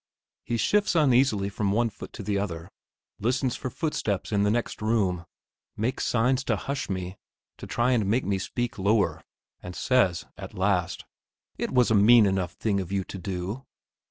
He shifts uneasily from one foot to the other, listens for footsteps in the next room, make signs to hush me, to try and make me speak lower, and says at last: "It was a mean enough thing of you to do!"